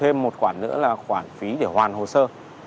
thêm một quản nữa là quản phí để hoàn hồ sơ